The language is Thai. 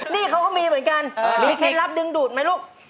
นี่เขาก็มีเหมือนกันมีเคล็ดลับดึงดูดไหมลูก